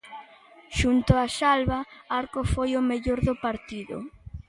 Xunto a Salva Arco, foi o mellor do partido.